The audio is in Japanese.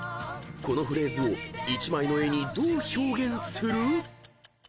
［このフレーズを１枚の絵にどう表現する？］